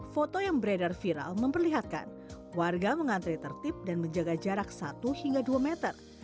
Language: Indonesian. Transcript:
foto yang beredar viral memperlihatkan warga mengantri tertib dan menjaga jarak satu hingga dua meter